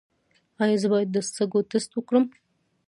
ایا زه باید د سږو ټسټ وکړم؟